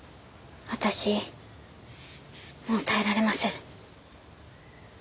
私もう耐えられません。